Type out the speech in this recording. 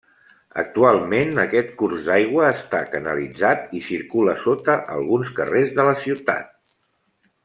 Actualment aquest curs d'aigua està canalitzat i circula sota alguns carrers de la ciutat.